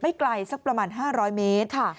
ไกลสักประมาณ๕๐๐เมตร